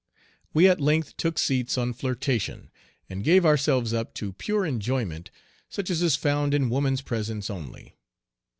We at length took seats on "Flirtation," and gave ourselves up to pure enjoyment such as is found in woman's presence only.